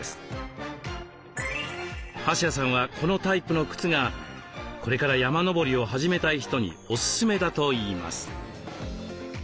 橋谷さんはこのタイプの靴がこれから山登りを始めたい人におすすめだといいます。